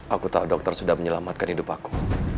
aku tahu dokter sudah menyelamatkan hidup aku